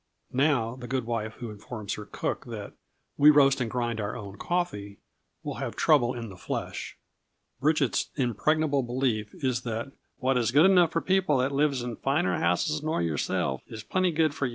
Now, the good wife who informs her cook that "we roast and grind our own coffee," will have trouble in the flesh. Bridget's impregnable belief is that "what is good enough for people that lives in finer houses nor yerself, is plenty good for yez."